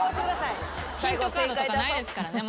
ヒントカードとかないですからね